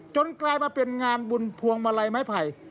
กลายมาเป็นงานบุญพวงมาลัยไม้ไผ่